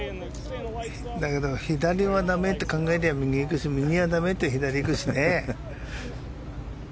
だけど左はだめって考えると右にいくし右はだめって考えたら左にいくしね。